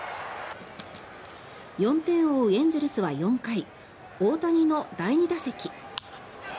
４点を追うエンゼルスは４回大谷の第２打席。